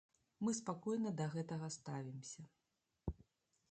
Мы спакойна да гэтага ставімся.